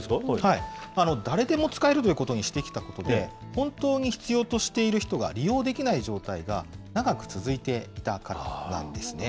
誰でも使えるということにしてきたことで、本当に必要としている人が利用できない状態が長く続いていたからなんですね。